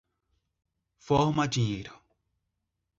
Forma-dinheiro